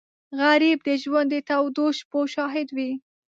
غریب د ژوند د تودو شپو شاهد وي